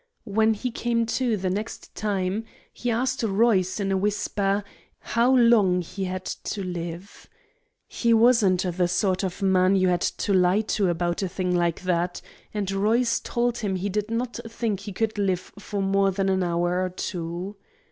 When he came to the next time, he asked Royce, in a whisper, how long he had to live. He wasn't the sort of a man you had to lie to about a thing like that, and Royce told him he did not think he could live for more than an hour or two.